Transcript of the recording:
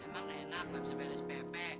emang enak mbak sibir spp